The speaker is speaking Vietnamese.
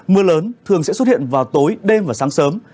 mưa lớn thường sẽ xuất hiện vào tối đêm và sáng sớm